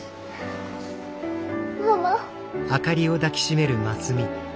ママ。